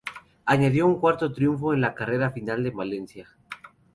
Añadió un cuarto triunfo en la carrera final en Valencia.